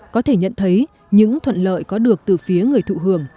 có thể nhận thấy những thuận lợi có được từ phía người thụ hưởng